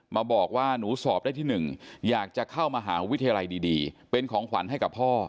มาบอกว่าหนูสอบได้ที่หนึ่งอยากจะเข้ามหาวิทยาลัยดีเป็นของขวัญให้กับพ่อ